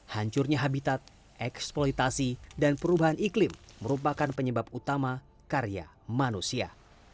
hancurnya habitat eksploitasi dan perubahan iklim merupakan penyebab utama karya manusia